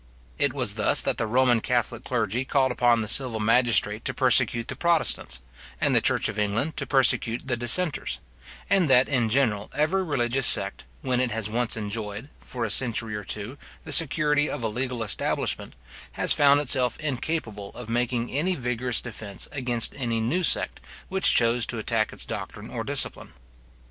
It was thus that the Roman catholic clergy called upon the civil magistrate to persecute the protestants, and the church of England to persecute the dissenters; and that in general every religious sect, when it has once enjoyed, for a century or two, the security of a legal establishment, has found itself incapable of making any vigorous defence against any new sect which chose to attack its doctrine or discipline.